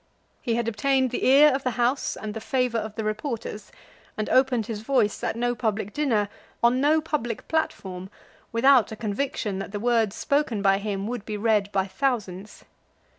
He had obtained the ear of the House and the favour of the reporters, and opened his voice at no public dinner, on no public platform, without a conviction that the words spoken by him would be read by thousands.